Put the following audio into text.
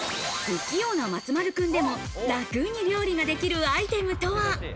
不器用な松丸君でも、楽に料理ができるアイテムとは。